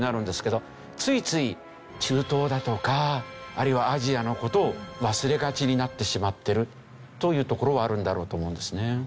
ついつい中東だとかあるいはアジアの事を忘れがちになってしまっているというところはあるんだろうと思うんですね。